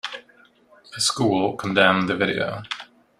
The school condemned the video.